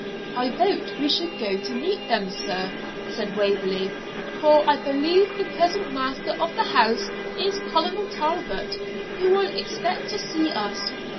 'I vote we should go to meet them, sir,' said Waverley, 'for I believe the present master of the house is Colonel Talbot, who will expect to see us.